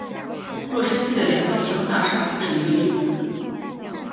洛杉矶的联邦银行大厦就是一个例子。